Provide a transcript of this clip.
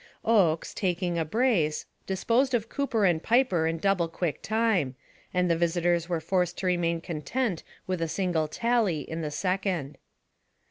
Oakes, taking a brace, disposed of Cooper and Piper in double quick time; and the visitors were forced to remain content with a single tally in the second.